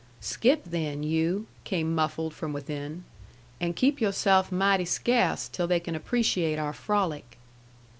"Skip, then, you," came muffled from within, "and keep you'self mighty sca'ce till they can appreciate our frolic."